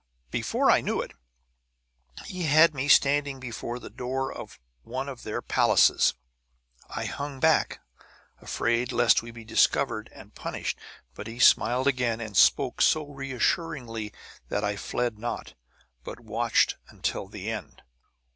"] Before I knew it, he had me standing before the door of one of their palaces. I hung back, afraid lest we be discovered and punished; but he smiled again and spoke so reassuringly that I fled not, but watched until the end.